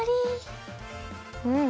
うん！